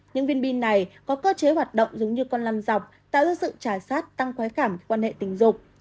những viên bi này có cơ chế hoạt động giống như con lăn dọc tạo ra sự trải sát tăng khói cảm quan hệ tình dục